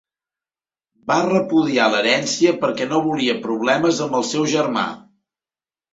Va repudiar l'herència perquè no volia problemes amb el seu germà.